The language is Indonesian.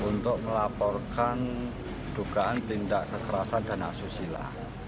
untuk melaporkan dugaan tindak kekerasan dan asusila